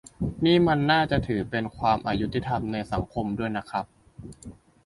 นี่มันน่าจะถือเป็นความอยุติธรรมในสังคมด้วยนะครับ